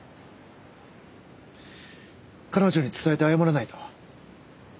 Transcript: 彼女に伝えて謝らないと。